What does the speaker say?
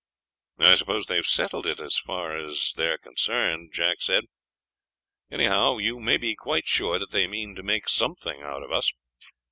"I suppose they have settled it as far as they are concerned," Jack said; "anyhow, you may be quite sure they mean to make something out of us.